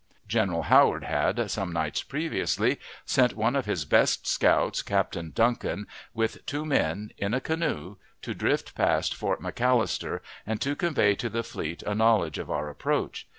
General Howard had, some nights previously, sent one of his best scouts, Captain Duncan, with two men, in a canoe, to drift past Fort McAllister, and to convey to the fleet a knowledge of our approach.